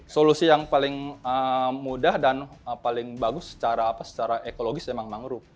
solusi yang paling mudah dan paling bagus secara ekologis memang mangrove